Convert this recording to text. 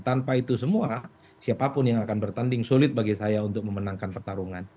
tanpa itu semua siapapun yang akan bertanding sulit bagi saya untuk memenangkan pertarungan